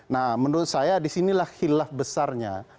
nah menurut saya disinilah hilaf besarnya